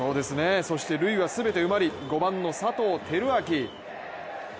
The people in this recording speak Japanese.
そして塁は全て埋まり５番、佐藤輝明。